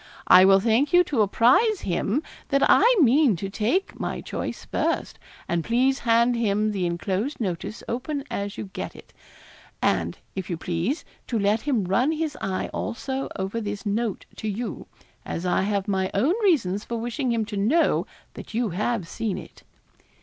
I will thank you to apprise him that I mean to take my choice first; and please hand him the enclosed notice open as you get it; and, if you please, to let him run his eye also over this note to you, as I have my own reasons for wishing him to know that you have seen it.